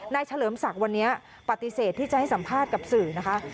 เฉลิมศักดิ์วันนี้ปฏิเสธที่จะให้สัมภาษณ์กับสื่อนะคะ